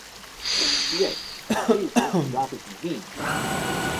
Yes, Jesus loves me!